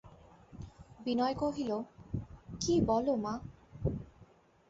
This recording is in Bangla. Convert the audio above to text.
বিনয় কহিল, কী বল মা!